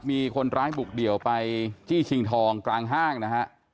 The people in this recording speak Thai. มีคนร้ายบุกเดี่ยวไปจี้ชิงทองกลางห้างนะฮะ